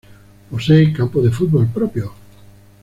Posee campo de fútbol propio.